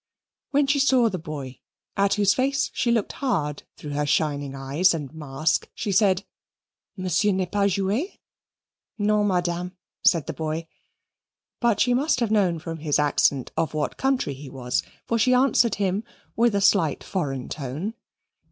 When she saw the boy, at whose face she looked hard through her shining eyes and mask, she said, "Monsieur n'est pas joueur?" "Non, Madame," said the boy; but she must have known, from his accent, of what country he was, for she answered him with a slight foreign tone.